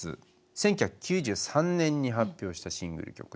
１９９３年に発表したシングル曲です。